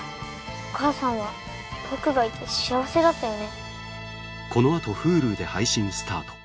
お母さんは僕がいて幸せだったよね？